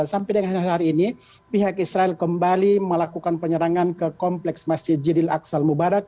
sampai dengan hari ini pihak israel kembali melakukan penyerangan ke kompleks masjid jidil aksal mubarak